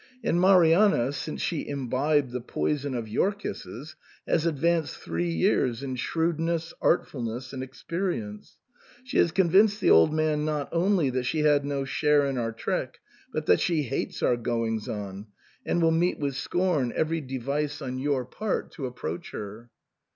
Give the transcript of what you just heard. And Marianna, since she imbibed the poison of your kisses, has advanced three years in shrewdness, artfulness, and experience. She has convinced the old man, not only that she had no share in our trick, but that she hates our goings on, and will meet with scorn every device on your part to SIGNOR FORMICA. 117 approach her.